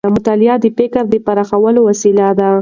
مطالعه د فکر د پراخوالي وسیله ده.